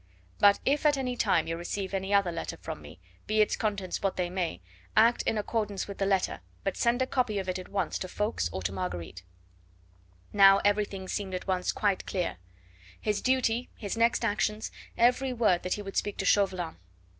But if at any time you receive another letter from me be its contents what they may act in accordance with the letter, but send a copy of it at once to Ffoulkes or to Marguerite. Now everything seemed at once quite clear; his duty, his next actions, every word that he would speak to Chauvelin.